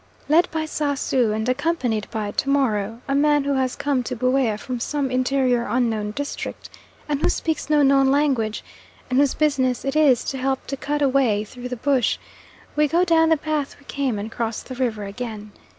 Led by Sasu, and accompanied by "To morrow," a man who has come to Buea from some interior unknown district, and who speaks no known language, and whose business it is to help to cut a way through the bush, we go down the path we came and cross the river again.